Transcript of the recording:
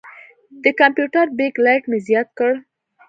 د کمپیوټر بیک لایټ مې زیات کړ.